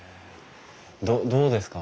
どうですか？